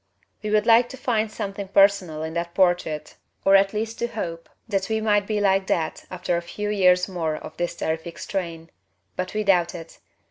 We would like to find something personal in that portrait or at least to hope that we might be like that after a few years more of this terrific strain. But we doubt it.